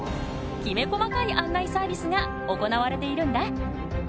きめ細かい案内サービスが行われているんだ。